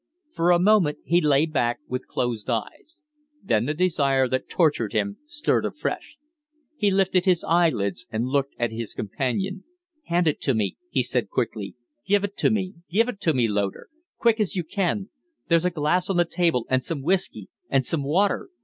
For a moment he lay back with closed eyes; then the desire that tortured him stirred afresh. He lifted his eyelids and looked at his companion. "Hand it to me," he said, quickly. "Give it to me. Give it to me, Loder. Quick as you can! There's a glass on the table and some whiskey and water.